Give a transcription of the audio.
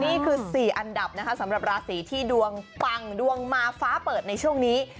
นี่คือ๔อันดับนะคะสำหรับราศีที่ดวงปังดวงมาฟ้าเปิดในช่วงนี้